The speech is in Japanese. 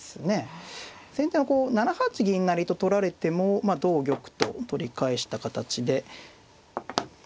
先手はこう７八銀成と取られても同玉と取り返した形で。